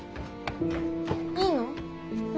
いいの？